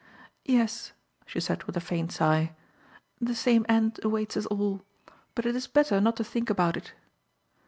"Yes," she said with a faint sigh; "the same end awaits us all but it is better not to think about it."